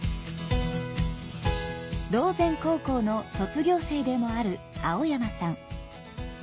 島前高校の卒業生でもある青山さん。